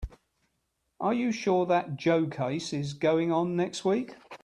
Are you sure that Joe case is going on next week?